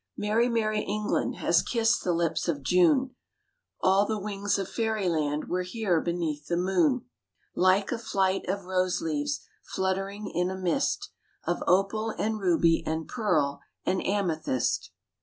Merry, merry England has kissed the lips of June: All the wings of fairyland were here beneath the moon; Like a flight of rose leaves fluttering in a mist Of opal and ruby and pearl and amethyst.